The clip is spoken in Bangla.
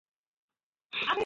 অ্যামেলিয়া, এ হলো থেলমা।